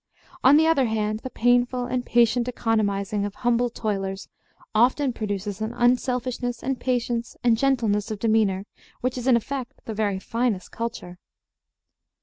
On the other hand, the painful and patient economizing of humble toilers often produces an unselfishness and patience and gentleness of demeanor which is in effect the very finest culture.